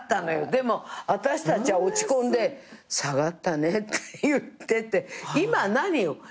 でも私たちは落ち込んで「下がったね」って言ってて今何よ？